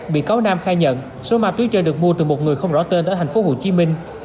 bị cáo nam khai nhận số ma túy trên được mua từ một người không rõ tên ở thành phố hồ chí minh